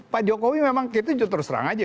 pak jokowi memang kita terus terang aja